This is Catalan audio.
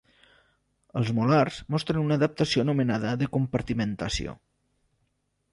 Els molars mostren una adaptació anomenada de compartimentació.